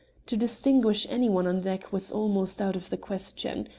To distinguish any one on deck was almost out of the question.